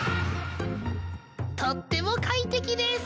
とっても快適です。